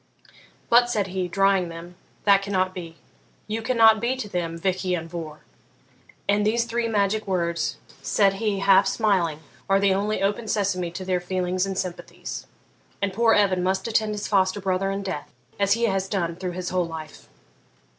'But,' said he, drying them,'that cannot be. You cannot be to them Vich Ian Vohr; and these three magic words,' said he, half smiling, 'are the only Open Sesame to their feelings and sympathies, and poor Evan must attend his foster brother in death, as he has done through his whole life.'